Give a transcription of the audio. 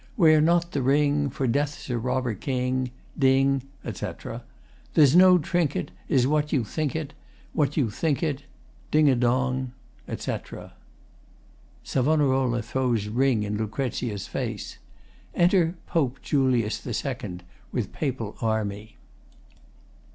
] Wear not the ring, For Death's a robber king, Ding, [etc.] There's no trinket Is what you think it, What you think it, Ding a dong, [etc.] [SAV. throws ring in LUC.'s face. Enter POPE JULIUS II, with Papal army.